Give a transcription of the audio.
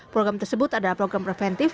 program tersebut adalah program preventif